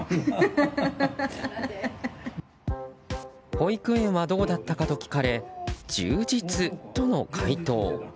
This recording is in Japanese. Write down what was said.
保育園はどうだったかと聞かれ「じゅうじつ」との回答。